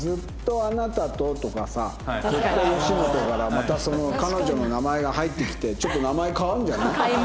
「あなたと」とかさ「ずっと」「よしもと」からまたその彼女の名前が入ってきてちょっと名前変わるんじゃない？改名？